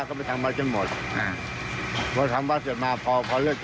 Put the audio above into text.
ดัดแล้วดัดมาแล้ว